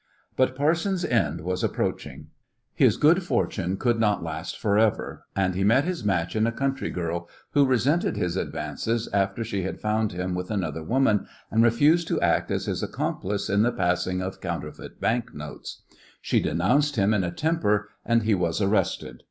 But Parsons' end was approaching. His good fortune could not last for ever, and he met his match in a country girl, who resented his advances after she had found him with another woman and refused to act as his accomplice in the passing of counterfeit banknotes. She denounced him in a temper, and he was arrested.